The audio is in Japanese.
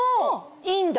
いいんだ。